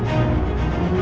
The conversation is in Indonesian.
saya akan keluar